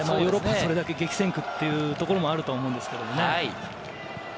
それだけ激戦区というところもあると思うんですけれどもね。